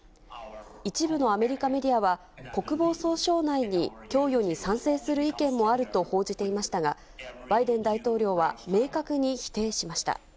一部のアメリカメディアは、国防総省内に供与に賛成する意見もあると報じていましたが、バイデン大統領は明確に否定しました。